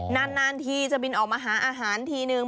นานทีจะบินออกมาหาอาหารทีนึง